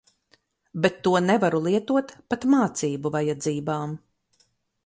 Bet to nevaru lietot pat mācību vajadzībām.